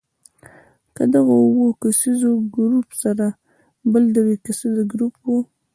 له دغو اووه کسیز ګروپ سره بل درې کسیز ګروپ وو.